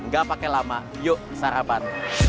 gak pakai lama yuk sarapan